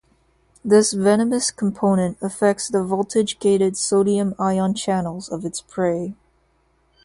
This venomous component affects the voltage gated sodium ion channels of its prey.